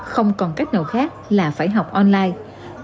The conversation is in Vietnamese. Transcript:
không còn cách nào khác là phải học online